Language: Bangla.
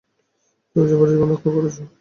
তুমি যেভাবে জীবন রক্ষা করছো।